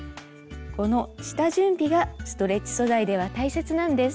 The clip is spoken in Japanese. この下準備がストレッチ素材では大切なんです。